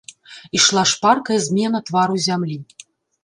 Ішла шпаркая змена твару зямлі.